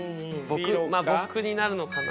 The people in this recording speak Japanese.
僕になるのかな。